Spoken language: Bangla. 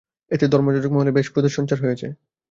এতে ধর্মযাজক মহলে বেশ ক্রোধের সঞ্চার হয়েছে।